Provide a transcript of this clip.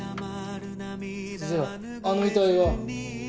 じゃああの遺体は。